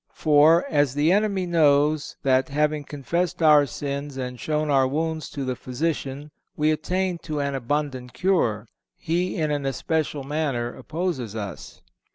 For, as the enemy knows that having confessed our sins and shown our wounds to the physician we attain to an abundant cure, he in an especial manner opposes us."